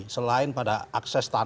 selain pada akses takdir